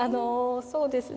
そうですね。